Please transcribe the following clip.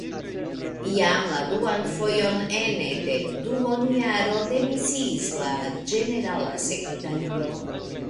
Jam la duan fojon ene de duonjaro demisiis la ĝenerala sekretario.